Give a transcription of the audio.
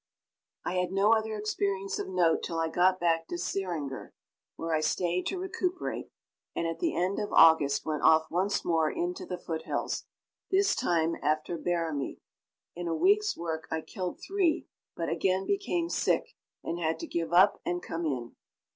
I had no other experience of note till I got back to Siringur, where I stayed to recuperate, and at the end of August went off once more into the foothills, this time after barramigh. In a week's work I killed three, but again became sick, and had to give up and come in.